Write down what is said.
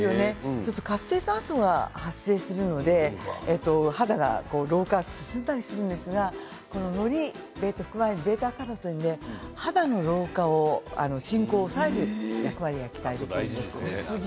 そうすると活性酸素が発生するので肌の老化が進んだりするんですがのりに含まれるβ−カロテンで肌の老化の進行を抑える役割がすごすぎ。